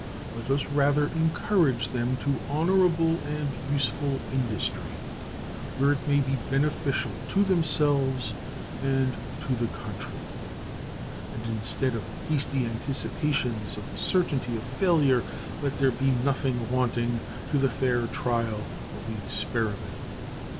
Let us rather encourage them to honorable and useful industry, where it may be beneficial to themselves and to the country; and, instead of hasty anticipations of the certainty of failure, let there be nothing wanting to the fair trial of the experiment.